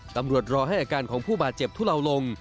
รอให้อาการของผู้บาดเจ็บทุเลาลง